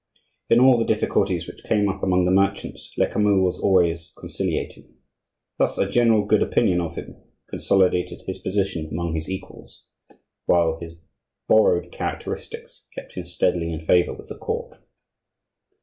In all the difficulties which came up among the merchants Lecamus was always conciliating. Thus a general good opinion of him consolidated his position among his equals; while his borrowed characteristics kept him steadily in favor with the court.